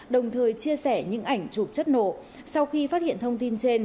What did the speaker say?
đồng thời chia sẻ những ảnh chụp chất nổ sau khi phát hiện thông tin trên